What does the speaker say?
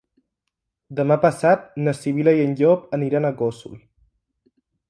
Demà passat na Sibil·la i en Llop aniran a Gósol.